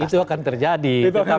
itu akan terjadi